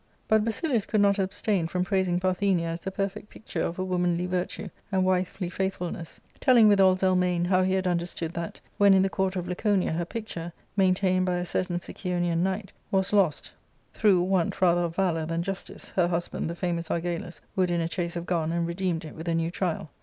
But Basilius could not abstain from praising P^Jlj^ggja as the perfect picture of a womanly virtue and wifely faithful ness, telling withal Zelmane how he had understood that, when, in the court of Laconia, her picture — maintained by a certain Sicyonian knight — ^was lost, through want rather of valour than justice, her husband, the famous Argalus, would in a chase have gone and redeemed it with a new trial.